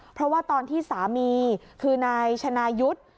เพราะว่าตอนที่สามีคือนายชนายุทธ์